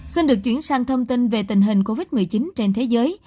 xin được chuyển sang thông tin về tình hình covid một mươi chín trên thế giới